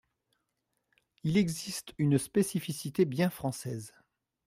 Il existe une spécificité bien française.